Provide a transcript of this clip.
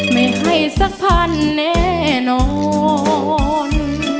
ไม่ให้สักพันแน่นอน